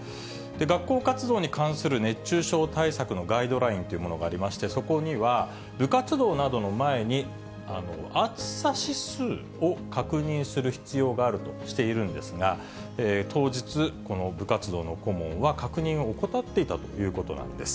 学校活動に関する熱中症対策のガイドラインというものがありまして、そこには部活動などの前に暑さ指数を確認する必要があるとしているんですが、当日、この部活動の顧問は、確認を怠っていたということなんです。